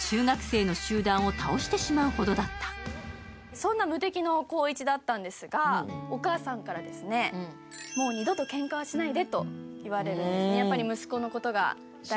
そんな無敵の光一だったんですがお母さんからもう二度とけんかをしないでと言われるんですね。